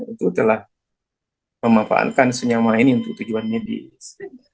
untuk telah memanfaatkan senyawa ini untuk tujuan medis